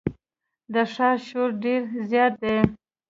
د ښار شور ډېر زیات دی.